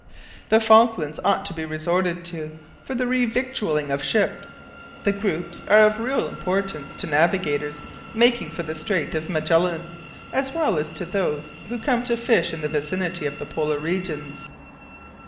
The Falklands ought to be resorted to for the re victualling of ships. The groups are of real importance to navigators making for the Strait of Magellan, as well as to those who come to fish in the vicinity of the polar regions.